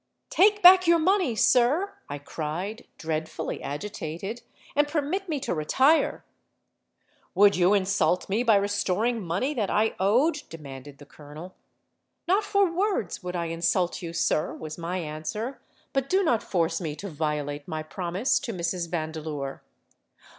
'—'Take back your money, sir,' I cried, dreadfully agitated; 'and permit me to retire.'—'Would you insult me by restoring money that I owed?' demanded the Colonel.—'Not for worlds would I insult you, sir,' was my answer: 'but do not force me to violate my promise to Mrs. Vandeleur.'